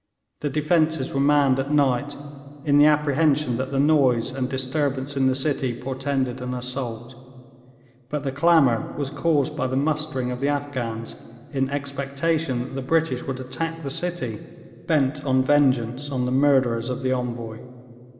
The defences were manned at night, in the apprehension that the noise and disturbance in the city portended an assault; but that clamour was caused by the mustering of the Afghans in expectation that the British would attack the city, bent on vengeance on the murderers of the Envoy.